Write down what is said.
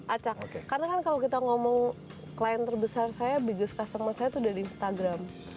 acak karena kan kalau kita ngomong klien terbesar saya biggest customer saya tuh udah di instagram